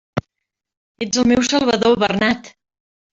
Ets el meu salvador, Bernat!